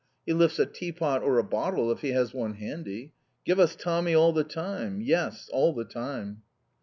He lifts a tea pot or a bottle if he has one handy. Give us Tommy all the time. Yes. All the time!